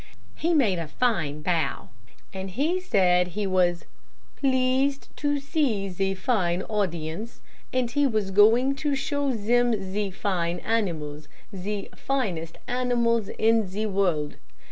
He made a fine bow, and he said he was 'pleased too see ze fine audience, and he was going to show zem ze fine animals, ze finest animals in ze world.'